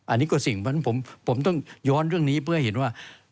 อันนี้ก็สิ่งผมต้องย้อนเรื่องนี้เพื่อให้เห็นว่า